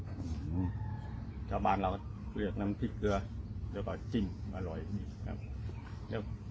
ชาวบ้านเราก็เลือกน้ำพริกเกลือแล้วก็จิ้มอร่อยนี่ครับ